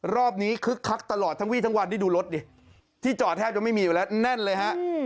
รอบนี้คึกคักตลอดทั้งวีทั้งวันดูรถที่จอแทบจะไม่มีไว้แล้วแน่นเลยครับ